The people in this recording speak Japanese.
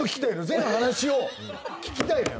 全話を聞きたいのよ。